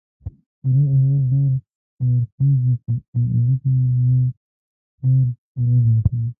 پرون احمد ډېر نارینتوب وکړ او علي ته يې پور ور وباښه.